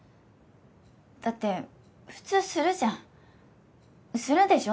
だって普通スるじゃんスるでしょ？